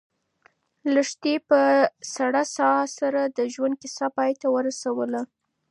لښتې په سړه ساه سره د ژوند کیسه پای ته ورسوله.